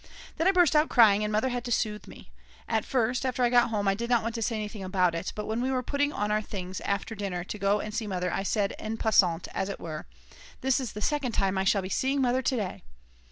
Then I burst out crying and Mother had to soothe me. At first, after I got home, I did not want to say anything about it, but when we were putting on our things after dinner to go and see Mother I said en passant as it were: "This is the second time I shall be seeing Mother to day."